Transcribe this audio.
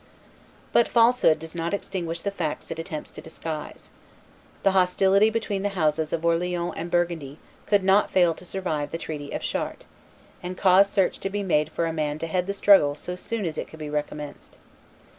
But falsehood does not extinguish the facts it attempts to disguise. The hostility between the houses of Orleans and Burgundy could not fail to survive the treaty of Chartres, and cause search to be made for a man to head the struggle so soon as it could be recommenced.